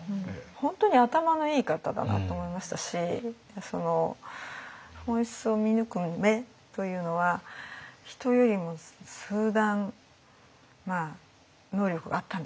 本当に頭のいい方だなと思いましたし本質を見抜く目というのは人よりも数段能力があったんでしょうね。